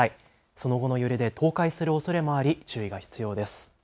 その後の揺れで倒壊するおそれもあり、注意が必要です。